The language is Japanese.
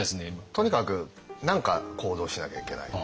とにかく何か行動しなきゃいけない。